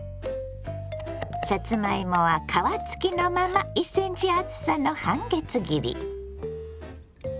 さつまいもは皮付きのまま１ｃｍ厚さの半月切り。